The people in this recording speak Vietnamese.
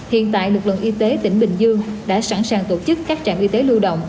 hiện tại lực lượng y tế tỉnh bình dương đã sẵn sàng tổ chức các trạm y tế lưu động